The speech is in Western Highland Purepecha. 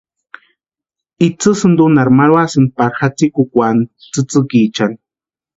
Itsï sïntunharhi marhuasïnti pari jatsïntukwani tsïtsïkiechani.